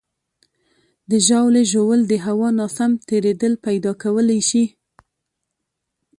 د ژاولې ژوول د هوا ناسم تېرېدل پیدا کولی شي.